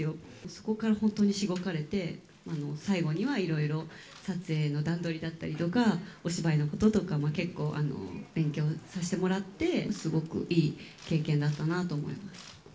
そこから本当にしごかれて、最後にはいろいろ撮影の段取りだったりとか、お芝居のこととか、結構勉強させてもらって、すごくいい経験になったなと思います。